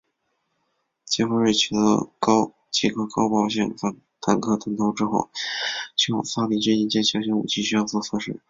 杰佛瑞取得几颗高爆性反坦克弹头之后去往萨里郡一间小型武器学校作测试。